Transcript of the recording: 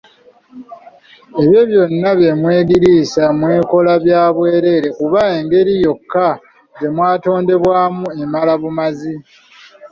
Ebyo byonna eby'okwegiriisa mukola bya bwereere kubanga engeri yokka gyemwatonderwamu emala bumazi.